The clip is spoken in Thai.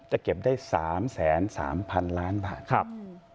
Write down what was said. จะเก็บได้๓แสน๓พันล้านบาท